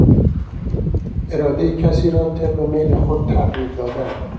ارادهی کسی را طبق میل خود تغییر دادن